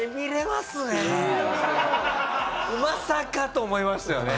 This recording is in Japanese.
まさかと思いますよね。